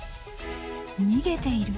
逃げている？